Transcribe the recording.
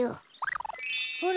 ほら。